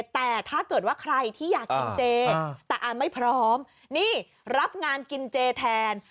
แต่ถ้าเกิดว่าใครที่อยากกินเจแต่อ่านไม่พร้อมนี่รับงานกินเจแทน